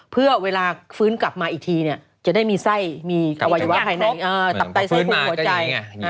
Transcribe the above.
เพื่อเวลาฟื้นกลับมาอีกทีจะได้มีไส้มีอวัยวะภายในตับไตไส้คลุมหัวใจ